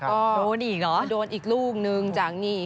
ก็โดนอีกลูกนึงจากนี่